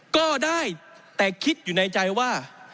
ก็ได้แต่คิดอยู่ในใจว่า